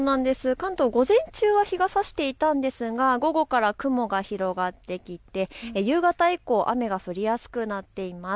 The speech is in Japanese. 関東、午前中は日がさしていたんですが午後から雲が広がってきて夕方以降、雨が降りやすくなっています。